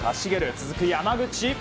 続く、山口。